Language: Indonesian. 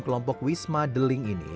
kelompok wisma deling ini